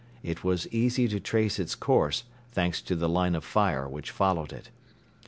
It was easy to trace its course, thanks to the line of fire which followed it.